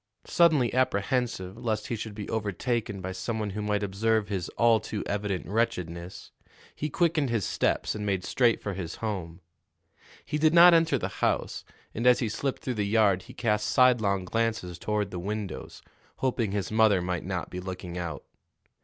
Suddenly apprehensive lest he should be overtaken by some one who might observe his all too evident wretchedness, he quickened his steps and made straight for his home. He did not enter the house, and as he slipped through the yard he cast sidelong glances toward the windows, hoping his mother might not be looking out.